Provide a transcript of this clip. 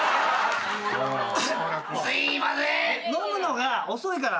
飲むのが遅いから。